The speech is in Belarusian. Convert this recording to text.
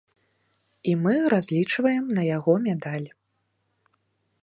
І мы разлічваем на яго медаль.